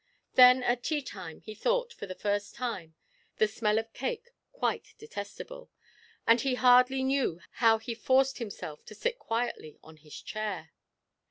Then at tea time he thought (for the first time) the smell of cake quite detestable, and he hardly knew how he forced himself to sit quietly on his chair.